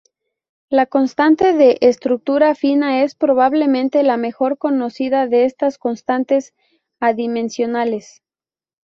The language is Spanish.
La constante de estructura fina es, probablemente, la mejor conocida de estas constantes adimensionales.